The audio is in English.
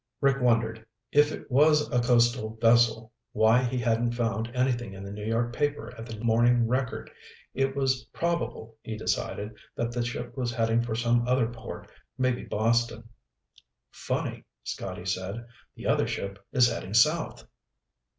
Rick wondered, if it was a coastal vessel, why he hadn't found anything in the New York paper at the Morning Record. It was probable, he decided, that the ship was heading for some other port, maybe Boston. "Funny," Scotty said. "The other ship is heading south."